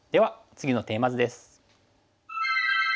次のテーマ図です。